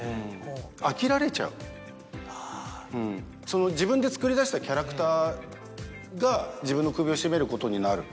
その自分でつくり出したキャラクターが自分の首を絞めることになる。